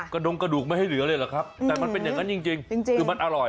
ดงกระดูกไม่ให้เหลือเลยเหรอครับแต่มันเป็นอย่างนั้นจริงคือมันอร่อย